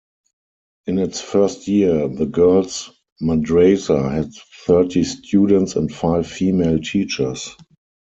In its first year, the girl's madrasa had thirty students and five female teachers.